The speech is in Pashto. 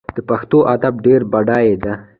د پښتو ادب ډیر بډایه دی.